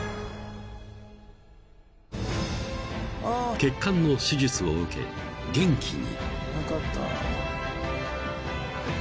［血管の手術を受け元気に］